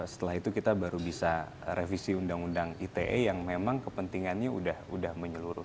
setelah itu kita baru bisa revisi undang undang ite yang memang kepentingannya sudah menyeluruh